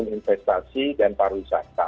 investasi dan pariwisata